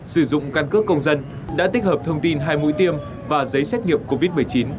sử dụng căn cước công dân đã tích hợp thông tin hai mũi tiêm và giấy xét nghiệm covid một mươi chín